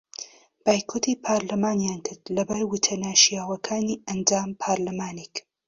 بایکۆتی پەرلەمانیان کرد لەبەر وتە نەشیاوەکانی ئەندام پەرلەمانێک